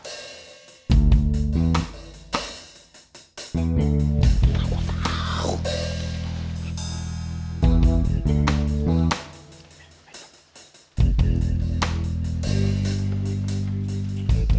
ya aku tau